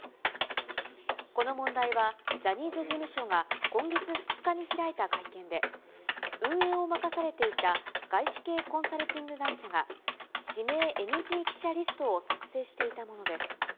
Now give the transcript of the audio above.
この問題は、ジャニーズ事務所が今月２日に開いた会見で、運営を任されていた外資系コンサルティング会社が、指名ＮＧ記者リストを作成していたものです。